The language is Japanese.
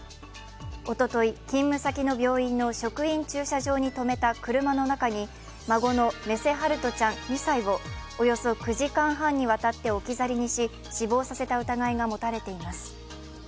おととい、勤務先の病院の職員用の駐車場に止めた車の中に孫の目瀬陽翔ちゃん２歳をおよそ９時間半にわたって置き去りにし、死亡させた疑いが持たれています。